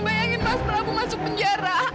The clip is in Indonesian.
bayangin mas prabu masuk penjara